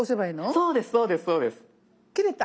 そうですそうですそうです。切れた。